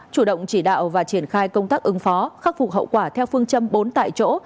chủ động chỉ đạo và triển khai công tác ứng phó khắc phục hậu quả theo phương châm bốn tại chỗ